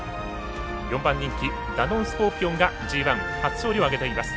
４番人気ダノンスコーピオンがＧＩ初勝利を上げています。